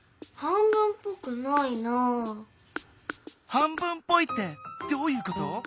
半分っぽいってどういうこと？